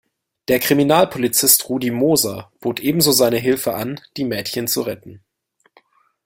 Der Kriminalpolizist Rudi Moser bot ebenso seine Hilfe an, die Mädchen zu retten.